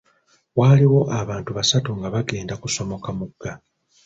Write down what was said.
Waaliwo abantu basatu nga bagenda kusomoka mugga.